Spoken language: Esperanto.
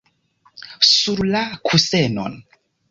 Sur la kusenon!